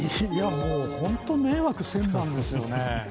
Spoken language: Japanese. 本当、迷惑千万ですよね。